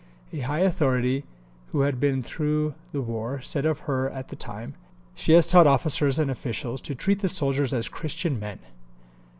A high authority, who had been through the war, said of her at the time, "She has taught officers and officials to treat the soldiers as Christian men."